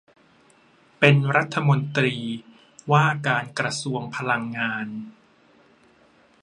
เป็นรัฐมนตรีว่าการกระทรวงพลังงาน